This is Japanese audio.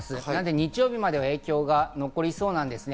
日曜日までは影響が残りそうなんですね。